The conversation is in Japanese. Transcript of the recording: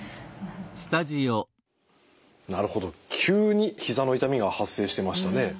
なるほど急にひざの痛みが発生してましたね。